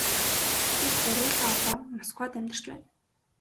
Бид гурвуулаа одоо Москвад амьдарч байна.